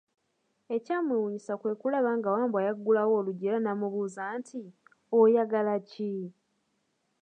Ekyamwewuunyisa kwe kulaba nga Wambwa y'aggulawo oluggi era n'amubuuza nti, oyagala ki?